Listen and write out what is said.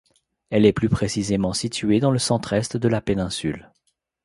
Elle est plus précisément située dans le centre-est de la péninsule.